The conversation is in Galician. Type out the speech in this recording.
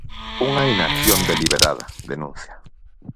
Unha "inacción deliberada", denuncia.